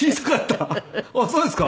あっそうですか？